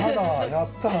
やったぁ。